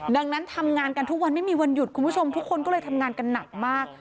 ดังนั้นทำงานกันทุกวันไม่มีวันหยุดคุณผู้ชมทุกคนก็เลยทำงานกันหนักมาก